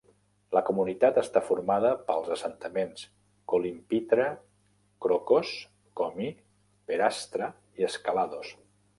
La comunitat està formada pels assentaments Kolympithra, Krokos, komi, Perastra i Skalados.